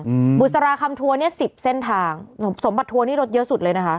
บุษราคำทัวร์เนี้ยสิบเส้นทางสมสมบัติทัวร์นี่รถเยอะสุดเลยนะคะ